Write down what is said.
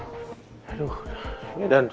dan kemungkinan apa yang harus kita lakukan selanjutnya